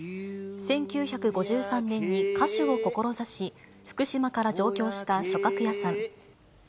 １９５３年に歌手を志し、福島から上京した松鶴家さん。